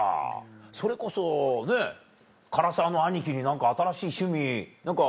それこそねぇ唐沢の兄貴に新しい趣味何か。